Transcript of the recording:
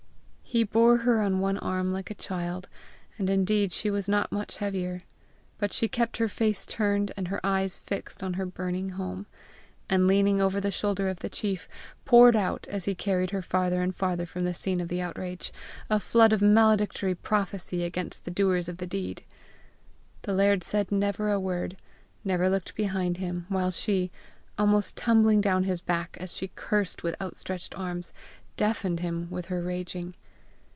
He bore her on one arm like a child, and indeed she was not much heavier. But she kept her face turned and her eyes fixed on her burning home, and leaning over the shoulder of the chief, poured out, as he carried her farther and farther from the scene of the outrage, a flood of maledictory prophecy against the doers of the deed. The laird said never a word, never looked behind him, while she, almost tumbling down his back as she cursed with outstretched arms, deafened him with her raging.